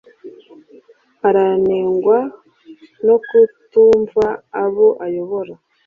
Aranengwa nokutumva abo ayobora